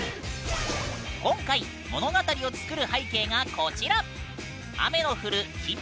今回物語を作る背景がこちら。